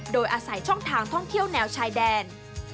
โดยอาศัยช่องทางท่องเที่ยวแนวชายแดน